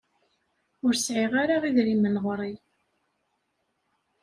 Ur sɣiɣ ara idrimen ɣer-i.